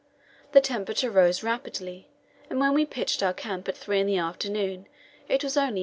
The temperature rose rapidly, and when we pitched our camp at three in the afternoon it was only 0.